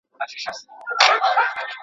ما مي خوبونه تر فالبینه پوري نه دي وړي.